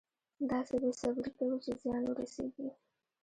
داسې بې صبري کوي چې زیان ورسېږي.